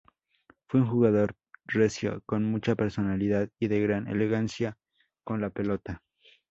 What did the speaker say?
Fue un jugador recio, con mucha personalidad y de gran elegancia con la pelota.